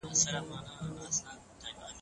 آيا يوازې خيالي تصويرونه بس دي؟